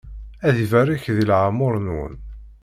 Ad ibarek di leεmuṛ-nwen!